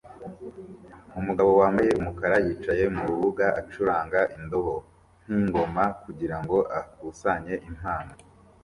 Umugabo wambaye umukara yicaye mu rubura acuranga indobo nkingoma kugirango akusanye impano